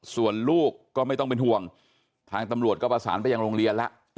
ส่วนลูกก็ไม่ต้องเป็นห่วงทางตำรวจก็ประสานไปยังโรงเรียนแล้ว